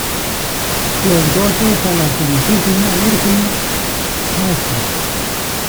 Los gozos a la Santísima Virgen, Ntra.